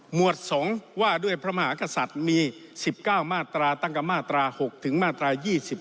วด๒ว่าด้วยพระมหากษัตริย์มี๑๙มาตราตั้งกับมาตรา๖ถึงมาตรา๒๗